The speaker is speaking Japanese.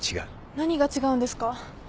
何が違うんですか？